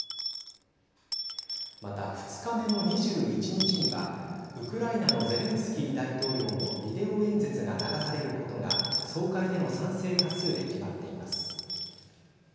また、２日目の２１日にはウクライナのゼレンスキー大統領のビデオ演説が流されることが総会での賛成多数で決まっています。